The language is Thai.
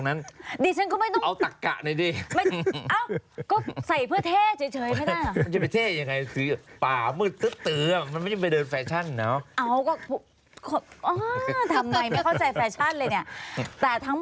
มีสี่คนจะไปเท่ทำไมตรงนั้น